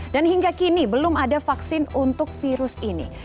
dan hingga kini belum ada vaksin untuk virus ini